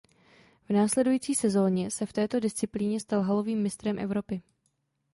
V následující sezóně se v této disciplíně stal halovým mistrem Evropy.